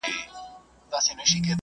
اسراف په اسلام کي ناروا دی.